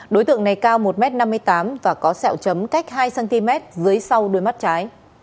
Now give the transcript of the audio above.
đối tượng này cao một m năm mươi tám và có sẹo chấm cách hai cm dưới sau đuôi mắt trái